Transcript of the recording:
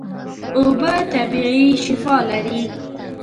اوبه طبیعي شفاء لري.